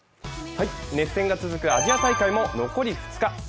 熱戦が続くアジア大会も残り２日。